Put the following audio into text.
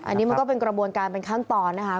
อันนี้มันก็เป็นกระบวนการเป็นขั้นตอนนะคะ